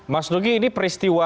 mas dugi ini peristiwa